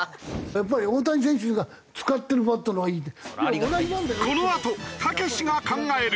やっぱり大谷選手が使ってるバットのほうがいいって。